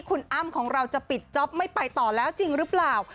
คุณอ้ำของเราจะปิดจ๊อปไม่ไปต่อแล้วจริงหรือเปล่า